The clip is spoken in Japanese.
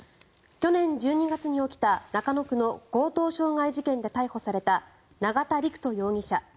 去年１２月に起きた、中野区の強盗傷害事件で逮捕された永田陸人容疑者